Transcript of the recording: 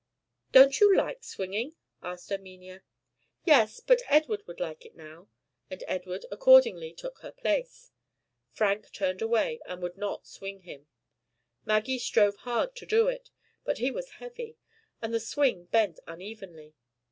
"Don't you like swinging?" asked Erminia. "Yes! but Edward would like it now." And Edward accordingly took her place. Frank turned away, and would not swing him. Maggie strove hard to do it, but he was heavy, and the swing bent unevenly.